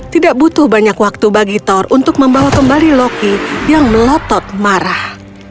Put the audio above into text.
tidak butuh banyak waktu bagi thor untuk membawa kembali loki yang melotot marah